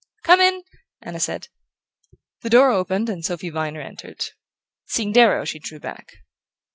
"Come in!" Anna said. The door opened and Sophy Viner entered. Seeing Darrow, she drew back.